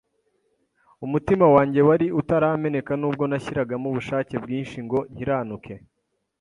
umutima wanjye wari utarameneka nubwo nashyiragamo ubushake bwinshi ngo nkiranuke